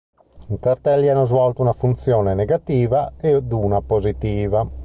I cartelli hanno svolto una funzione negativa ed una positiva.